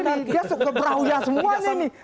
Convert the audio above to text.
dia suka gebrahuyah semua nih